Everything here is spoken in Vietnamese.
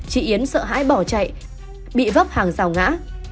chị yến sợ hãi bỏ chạy bị vấp hàng rào ngã